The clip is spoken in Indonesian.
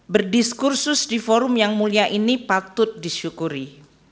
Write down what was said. berdiskursus di forum yang mulia ini patut disyukuri